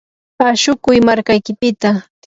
ashukuy markaykipita.